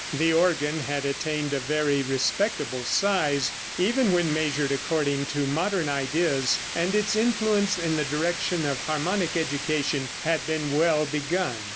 The organ had attained a very respectable size, even when measured according to modern ideas, and its influence in the direction of harmonic education had been well begun.